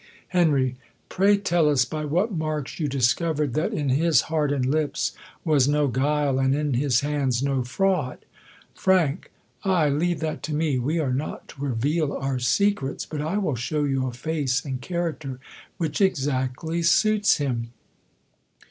Heri, Pray tell us by what jnarks you discovered that in his heart and lips was no guile, and in his hands, no fraud ? Fr, Aye, leave that to me; we arc not to reveal eur secrets. But I will show you a flice and character, which exactly suits him.